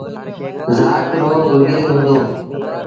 زآت رو گرگيز هُݩدو۔